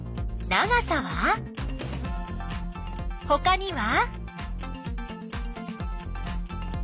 こさは？ほかには？